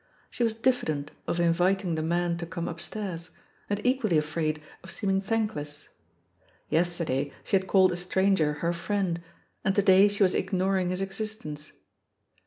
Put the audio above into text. She was diffident of inviting the man to "come upstairs," and equally afraid of seeming thankless. Yester day she had called a stranger her "friend," and to day she was ignoring his existence.